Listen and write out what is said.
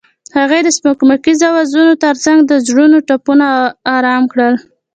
هغې د سپوږمیز اوازونو ترڅنګ د زړونو ټپونه آرام کړل.